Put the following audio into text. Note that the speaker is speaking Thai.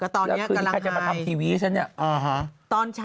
ตอนนี้กำลังเงิน